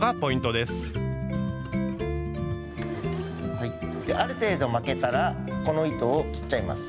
である程度巻けたらこの糸を切っちゃいます。